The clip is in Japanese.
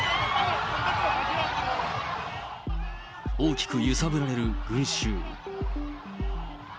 大きく揺さぶられる群衆。